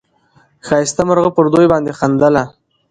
ښایسته مرغه پر دوی باندي خندله